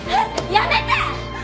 やめて！